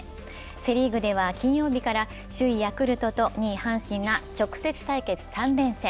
セ・リーグでは金曜日から首位・ヤクルトと２位・阪神が直接対決３連戦。